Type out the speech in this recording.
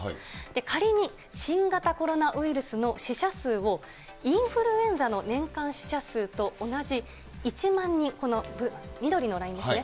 仮に新型コロナウイルスの死者数をインフルエンザの年間死者数と同じ１万人、緑のラインですね。